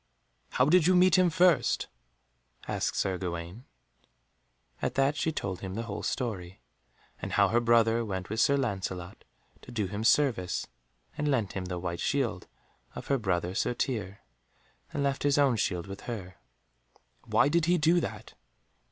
"How did you meet him first?" asked Sir Gawaine. At that she told him the whole story, and how her brother went with Sir Lancelot to do him service, and lent him the white shield of her brother Sir Tirre and left his own shield with her. "Why did he do that?"